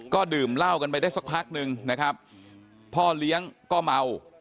ก็ดื่มเหล้ากันไปได้สักพักนึงนะครับพ่อเลี้ยงก็เมา